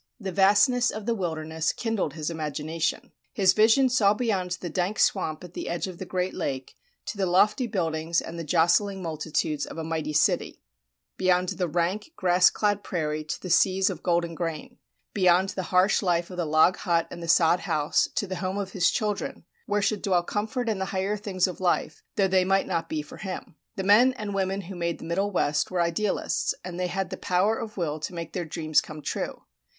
The vastness of the wilderness kindled his imagination. His vision saw beyond the dank swamp at the edge of the great lake to the lofty buildings and the jostling multitudes of a mighty city; beyond the rank, grass clad prairie to the seas of golden grain; beyond the harsh life of the log hut and the sod house to the home of his children, where should dwell comfort and the higher things of life, though they might not be for him. The men and women who made the Middle West were idealists, and they had the power of will to make their dreams come true.